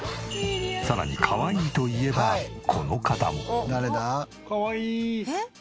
さらにかわいいといえばこの方も。